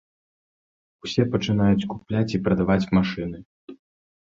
Усе пачынаюць купляць і прадаваць машыны.